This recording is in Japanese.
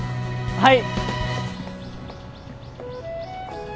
はい。